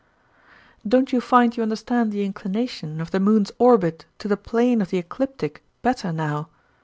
" Don't you find you understand the inclina tion of the moon's orbit to the plane of the ecliptic better now